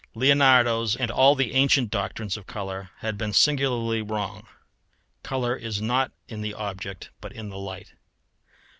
Leonardo's and all the ancient doctrines of colour had been singularly wrong; colour is not in the object but in the light.